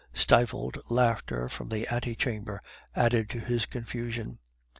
Stifled laughter from the ante chamber added to his confusion.